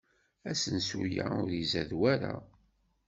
Asensu-a ur izad wara.